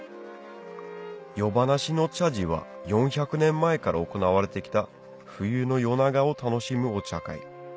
夜咄の茶事は４００年前から行われてきた冬の夜長を楽しむお茶会